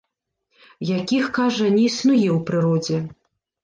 Якіх, кажа, не існуе ў прыродзе.